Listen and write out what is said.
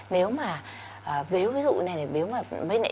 nếu mà ví dụ này